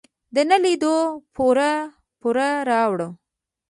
د نه لیدو پوره پور راوړ.